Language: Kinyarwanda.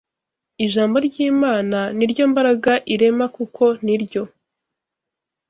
Ijambo ry’Imana ni ryo mbaraga irema kuko ni ryo